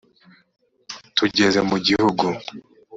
tugeze mu gihugu.